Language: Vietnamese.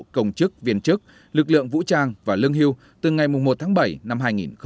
công chức viên chức lực lượng vũ trang và lương hưu từ ngày một tháng bảy năm hai nghìn hai mươi